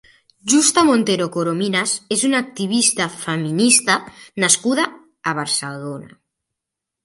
Justa Montero Corominas és una activista feminista nascuda a Barcelona.